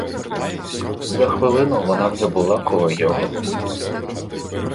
За хвилину вона вже була коло його.